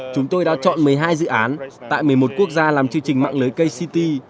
chúng tôi đã chọn một mươi hai dự án tại một mươi một quốc gia làm chương trình mạng lưới kct